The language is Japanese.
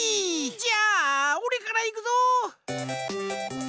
じゃあおれからいくぞ！